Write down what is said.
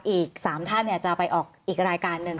อีก๓ท่านจะไปออกอีกรายการหนึ่ง